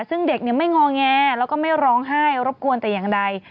ซึ่งเด็กไม่งอแงแล้วก็ไม่ร้องไห้รบกวนแต่อย่างใด